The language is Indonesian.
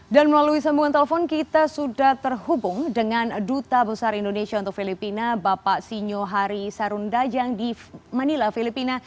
dan melalui sambungan telepon kita sudah terhubung dengan duta besar indonesia untuk filipina bapak sinyo hari sarundajang di manila filipina